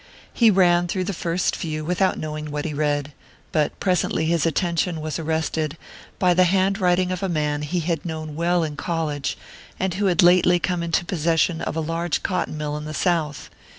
He ran through the first few without knowing what he read; but presently his attention was arrested by the hand writing of a man he had known well in college, and who had lately come into possession of a large cotton mill in the South.